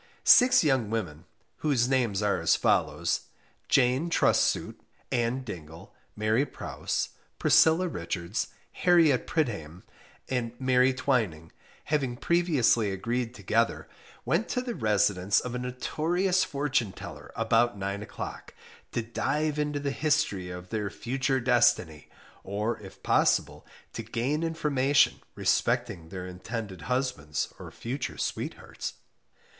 Six young women, whose names are as follows: Jane Trustsoot, Ann Dingle, Mary Prause, Priscilla Richards, Harriett Pridhame, and Mary Twining, having previously agreed together, went to the residence of a notorious fortune teller about nine o'clock, to dive into the history of their future destiny, or if possible, to gain information respecting their intended husbands or future sweethearts.